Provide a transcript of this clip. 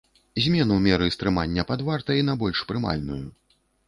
Змену меры стрымання пад вартай на больш прымальную.